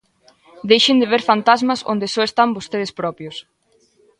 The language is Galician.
Deixen de ver fantasmas onde só están vostedes propios.